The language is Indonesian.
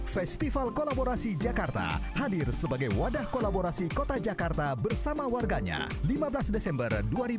festival kolaborasi jakarta hadir sebagai wadah kolaborasi kota jakarta bersama warganya lima belas desember dua ribu dua puluh